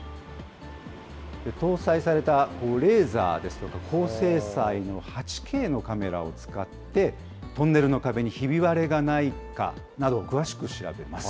搭載されたレーザーですとか、高精細の８Ｋのカメラを使って、トンネルの壁にひび割れがないかなど、詳しく調べます。